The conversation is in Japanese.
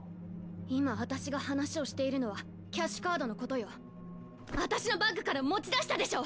今あたしが話をしているのはキャッシュカードの事よ。あたしのバッグから持ち出したでしょ！！